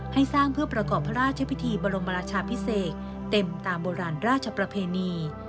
ให้สร้างเพื่อประกอบพระราชพิธีบรมราชาพิเศษเต็มตามโบราณราชประเพณี